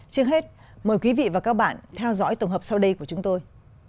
trước hết mời quý vị và các bạn theo dõi tổng hợp sau đây của chúng tôi